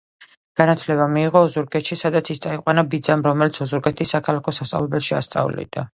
განათლება მიიღო ოზურგეთში, სადაც ის წაიყვანა ბიძამ, რომელიც ოზურგეთის საქალაქო სასწავლებელში ასწავლიდა.